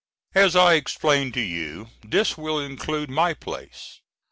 As I explained to you, this will include my place.